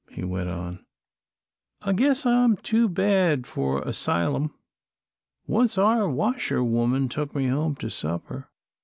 he went on. "I guess I'm too bad for a 'sylum. Once our washerwoman took me home to supper.